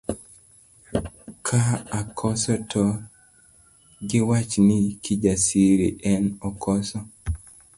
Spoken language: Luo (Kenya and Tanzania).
Ka akoso to giwach ni Kijasiri en okoso.